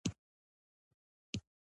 احمد ته يې خپل قلم بېرته ورکړ.